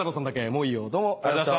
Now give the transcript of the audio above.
もういいよどうもありがとうございました。